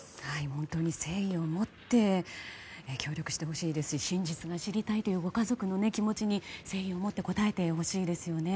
本当に誠意を持って協力してほしいですし真実が知りたいというご家族の気持ちに誠意を持って答えてほしいですよね。